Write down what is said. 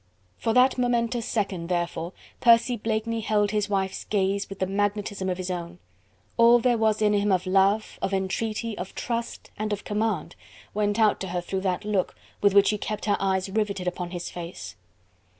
For that momentous second therefore Percy Blakeney held his wife's gaze with the magnetism of his own; all there was in him of love, of entreaty, of trust, and of command went out to her through that look with which he kept her eyes riveted upon his face.